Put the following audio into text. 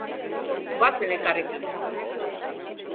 Goazen elkarrekin.